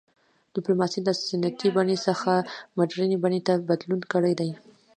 ډیپلوماسي له سنتي بڼې څخه مډرنې بڼې ته بدلون کړی دی